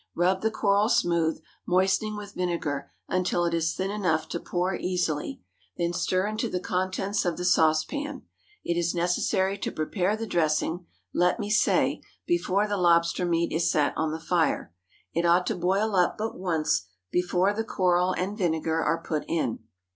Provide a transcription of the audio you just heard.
Rub the coral smooth, moistening with vinegar until it is thin enough to pour easily, then stir into the contents of the saucepan. It is necessary to prepare the dressing, let me say, before the lobster meat is set on the fire. It ought to boil up but once before the coral and vinegar are put in.